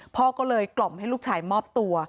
พ่อก็เลยกล่อมให้ลูกชายมอบตัว